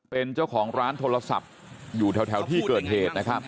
เป็นเจ้าของร้านโทรศัพท์อยู่แถวที่เกิดเหตุนะครับ